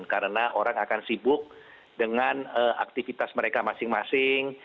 karena orang akan sibuk dengan aktivitas mereka masing masing